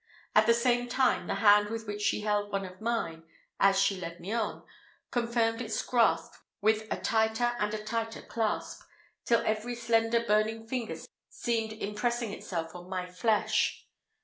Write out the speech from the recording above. At the same time, the hand with which she held one of mine, as she led me on, confirmed its grasp with a tighter and a tighter clasp, till every slender burning finger seemed impressing itself on my flesh.